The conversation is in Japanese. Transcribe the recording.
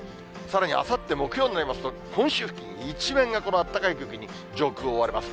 さらにあさって木曜になりますと、本州付近一面がこのあったかい空気に上空、覆われます。